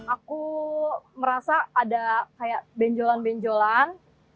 aku merasa ada kayak benjolan benjolan